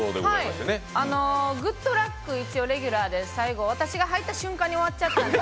「グッとラック！」、一応レギュラーで、私が入った瞬間に終わってしまって。